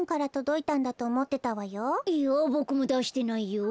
いやぼくもだしてないよ。